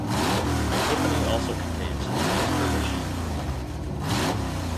Cliffoney also contains numerous purple sheep.